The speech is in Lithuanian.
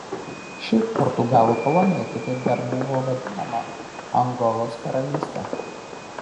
Ši portugalų kolonija kitaip dar buvo vadinama Angolos karalyste.